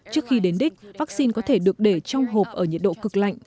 trước khi đến đích vắc xin có thể được để trong hộp ở nhiệt độ cực lạnh